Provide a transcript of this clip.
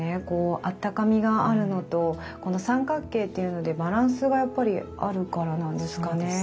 こうあったかみがあるのとこの三角形っていうのでバランスがやっぱりあるからなんですかね。